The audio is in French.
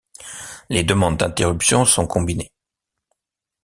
Les demandes d'interruption sont combinées.